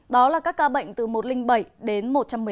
đó là các ca bệnh từ một trăm linh bảy đến một trăm một mươi ba